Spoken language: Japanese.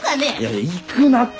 いや行くなって！